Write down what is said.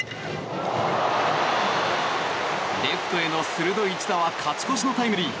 レフトへの鋭い一打は勝ち越しのタイムリー。